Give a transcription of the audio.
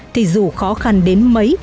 thì dù khó khăn đến mấy